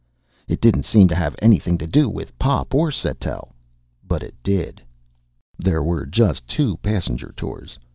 It didn't seem to have anything to do with Pop or with Sattell. But it did. There were just two passenger tours.